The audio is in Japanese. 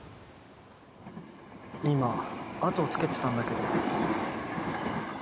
今後をつけてたんだけど。